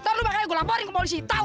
ntar lu makanya gua laporin ke polisi tau